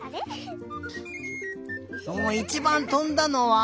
おおいちばんとんだのは？